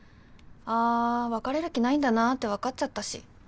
あ別れる気ないんだなって分かっちゃったし。